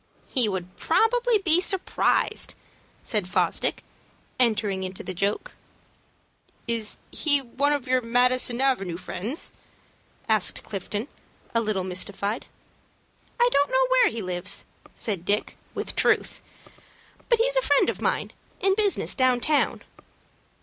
"He would probably be surprised," said Fosdick, entering into the joke. "Is he one of your Madison Avenue friends?" asked Clifton, a little mystified. "I don't know where he lives," said Dick, with truth; "but he's a friend of mine, in business down town."